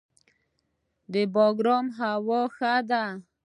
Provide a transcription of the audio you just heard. د بګرام هوا ښه ده